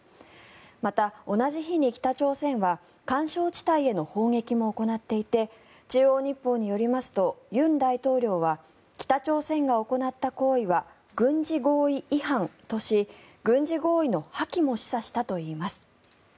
また、同じ日に北朝鮮は緩衝地帯への砲撃も行っていて中央日報によりますと尹大統領は北朝鮮が行った行為は軍事合意違反とし軍事合意の破棄も示唆したといいます。